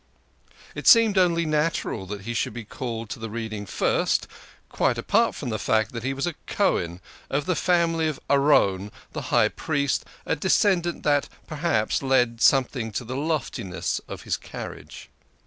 It seemed only natural that he should be called to the Reading first, quite apart from the fact that he was a Cohen, of the family of Aaron, the High Priest, a descent that, perhaps, lent something to the loftiness of his carriage.